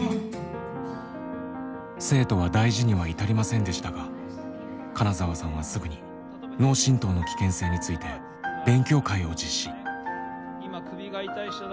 生徒は大事には至りませんでしたが金澤さんはすぐに脳震とうの危険性について勉強会を実施。